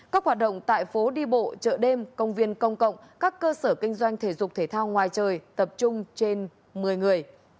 các hoạt động tại phố đi bộ chợ đêm công viên công cộng các cơ sở kinh doanh thể dục thể thao ngoài trời tập trung trên một mươi người